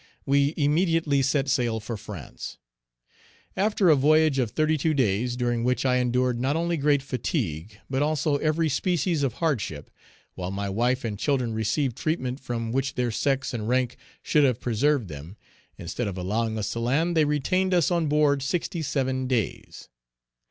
We immediately set sail for France. After a voyage of thirty two days, during which I endured not only great fatigue, but also every species of hardship, while my wife and children received treatment from which their sex and rank should have preserved them, instead of allowing us to land, they retained us on board sixty seven days.